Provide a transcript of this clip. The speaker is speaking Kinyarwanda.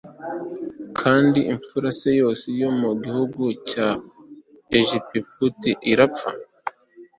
kandi imfura e yose yo mu gihugu cya egiputa irapfa